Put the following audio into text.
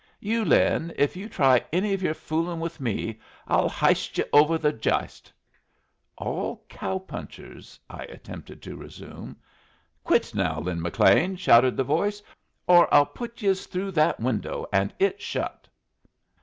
"You, Lin, if you try any of your foolin' with me, I'll histe yu's over the jiste!" "All cow punchers " I attempted to resume. "Quit now, Lin McLean," shouted the voice, "or I'll put yus through that window, and it shut."